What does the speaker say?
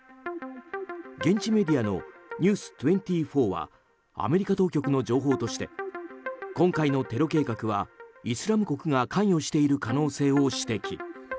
現地メディアのＮｅｗｓ２４はアメリカ当局の情報として今回のテロ計画はイスラム国が関与している可能性を指摘。